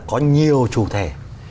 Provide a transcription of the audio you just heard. có nhiều chủ thể